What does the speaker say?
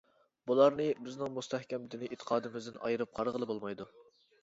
بۇلارنى بىزنىڭ مۇستەھكەم دىنى ئېتىقادىمىزدىن ئايرىپ قارىغىلى بولمايدۇ.